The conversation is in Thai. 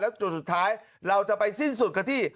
แล้วจุดสุดท้ายเราจะไปสิ้นสุดกันที่